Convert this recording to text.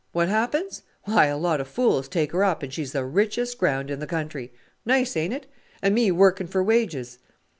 What happens? Why, a lot of fools take her up and she's the richest ground in the country. Nice, ain't it! and me working for wages?"